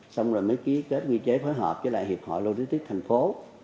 xong rồi mới ký kết quy chế phối hợp với lại hiệp hội logistics thành phố